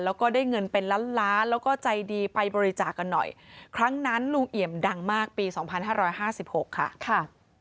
แล้วก็ได้เงินเป็นล้านล้าแล้วก็ใจดีไปบริจาคกันหน่อยครั้งนั้นลุงเอ๋ยมดังมากปี๒๕๕๖ค่ะ